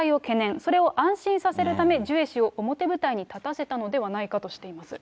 それを安心させるため、ジュエ氏を表舞台に立たせたのではないかとしています。